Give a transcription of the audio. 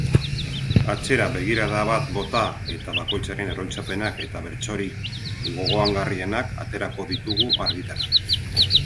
Atzera begirada bat bota eta bakoitzaren oroitzapenak eta bertsorik gogoangarrienak aterako ditugu argitara.